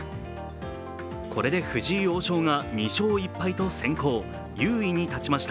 これで藤井王将が２勝１敗と先行、優位に立ちました。